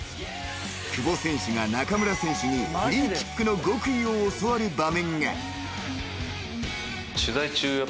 ［久保選手が中村選手にフリーキックの極意を教わる場面が］